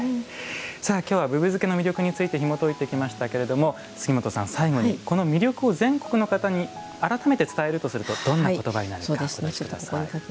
きょうはぶぶ漬けの魅力についてひもといてきましたけれども杉本さん、最後にこの魅力を全国の方に改めて伝えるとするとどんなことばになるか。